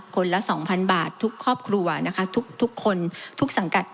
คนละ๒๐๐๐บาททุกครอบครัวทุกคนทุกสังกัด